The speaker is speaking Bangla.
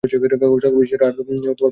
স্বর্গবাসী ঈশ্বরের আমরা আদৌ পরোয়া করি না।